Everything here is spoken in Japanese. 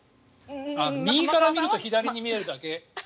右から見ると左に見えるだけ。